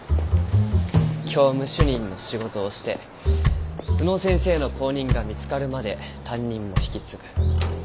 教務主任の仕事をして宇野先生の後任が見つかるまで担任も引き継ぐ。